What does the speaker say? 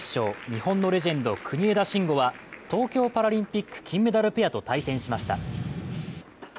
日本のレジェンド、国枝慎吾は東京パラリンピック金メダルペアと対戦しました。